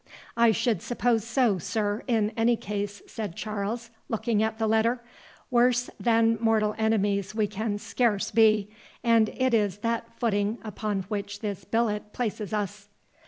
"I should suppose so, sir, in any case," said Charles, looking at the letter; "worse than mortal enemies we can scarce be, and it is that footing upon which this billet places us."